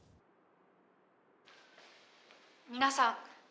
皆さん